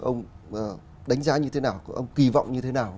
ông đánh giá như thế nào ông kỳ vọng như thế nào